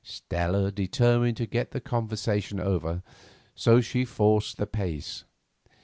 Stella determined to get the conversation over, so she forced the pace.